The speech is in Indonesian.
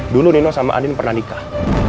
dulu nino sama andin pernah nikah